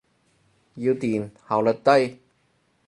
要電，效率低。